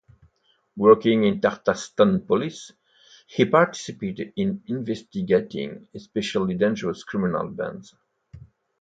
Working in Tatarstan police, he participated in investigating especially dangerous criminal bands.